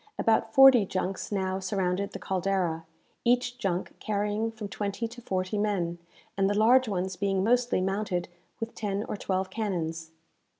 About forty junks now surrounded the "Caldera," each junk carrying from twenty to forty men, and the large ones being mostly mounted with ten or twelve cannons.